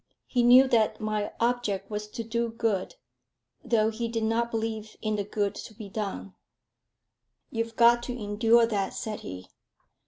He knew that my object was to do good, though he did not believe in the good to be done. "You've got to endure that," said he.